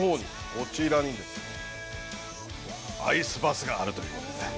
こちらに、アイスバスがあるということでね。